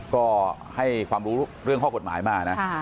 ก็ให้ความรู้เรื่องข้อกฎหมายมานะ